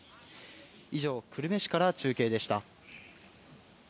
以上、久留米市から中継でした。